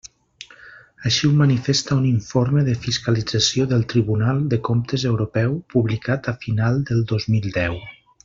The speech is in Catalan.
Així ho manifesta un informe de fiscalització del Tribunal de Comptes Europeu publicat a final del dos mil deu.